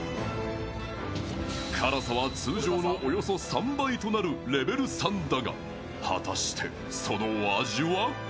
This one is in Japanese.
辛さは通常のおよそ３倍となるレベル３だが果たして、その味は？